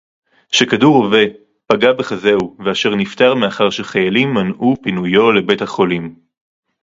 שכדור רובה פגע בחזהו ואשר נפטר מאחר שחיילים מנעו פינויו לבית-החולים